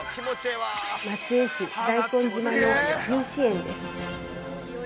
◆松江市大根島の由志園です。